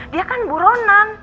dia kan buronan